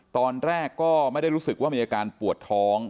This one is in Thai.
ตอนแรกก็ไม่ได้รู้สึกว่ามีอาการปวดท้อง